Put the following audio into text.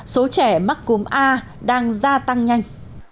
số trẻ mắc cúm a đang gia tăng nhanh